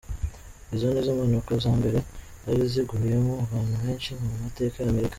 Izo nizo mpanuka za mbere zari ziguyemo abantu benshi mu mateka ya Amerika.